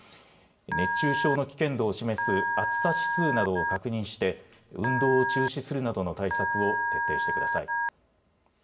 熱中症の危険度を示す暑さ指数などを確認して運動を中止するなどの対策を徹底してください。